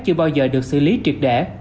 chưa bao giờ được xử lý triệt để